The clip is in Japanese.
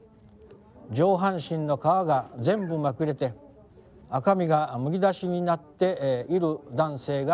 上半身の皮が全部めくれて赤身がむき出しになっている男性がいました。